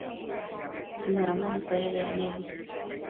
Mamëncuededec nebi